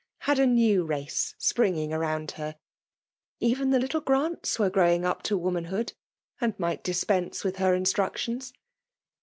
had a new race springing around her; even the little Grants were growing up to woman* Jbood, and might dispense with her instruc tions.